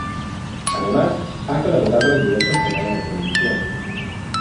Además, ha colaborado en diversos programas de televisión.